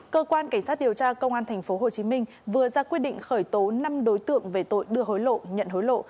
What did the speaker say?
cơ quan cảnh sát điều tra công an tp hcm vừa ra quyết định khởi tố năm đối tượng về tội đưa hối lộ nhận hối lộ